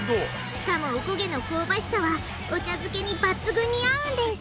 しかもおこげの香ばしさはお茶漬けに抜群に合うんです！